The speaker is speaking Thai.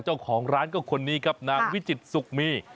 เจ้าของร้านก็คนนี้ครับนางวิจิตรสุขมี